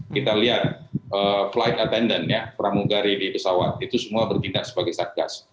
kita lihat flight attendant ya pramugari di pesawat itu semua bertindak sebagai satgas